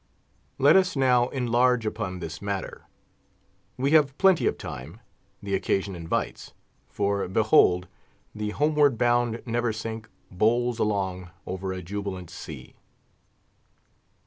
Let us now enlarge upon this matter. We have plenty of time; the occasion invites; for behold! the homeward bound Neversink bowls along over a jubilant sea.